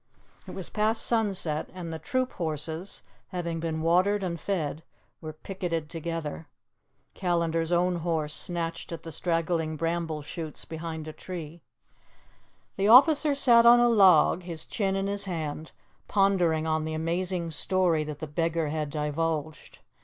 It was past sunset, and the troop horses, having been watered and fed, were picketed together. Callandar's own horse snatched at the straggling bramble shoots behind a tree. The officer sat on a log, his chin in his hand, pondering on the amazing story that the beggar had divulged.